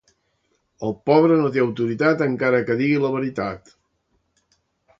El pobre no té autoritat, encara que digui la veritat.